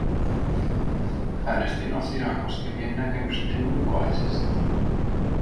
Äänestin asiaa koskevien näkemysteni mukaisesti.